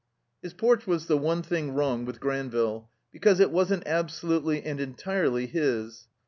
His porch was the one thing wrong with Granville, because it wasn't absolutely and entirely his.